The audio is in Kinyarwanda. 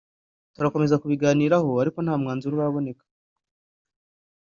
turakomeza kubiganiraho ariko nta mwanzuro uraboneka